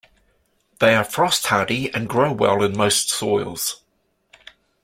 They are frost hardy and grow well in most soils.